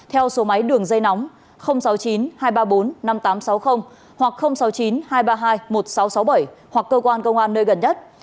theo số máy đường dây nóng sáu mươi chín hai trăm ba mươi bốn năm nghìn tám trăm sáu mươi hoặc sáu mươi chín hai trăm ba mươi hai một nghìn sáu trăm sáu mươi bảy hoặc cơ quan công an nơi gần nhất